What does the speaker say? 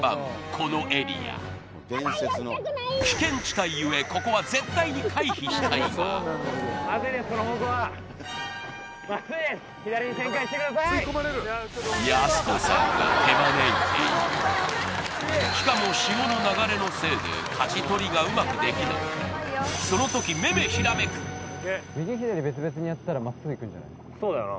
このエリア危険地帯ゆえここは絶対に回避したいがやす子さんが手招いているしかも潮の流れのせいで舵取りがうまくできないその時そうだよな